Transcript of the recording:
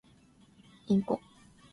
インコ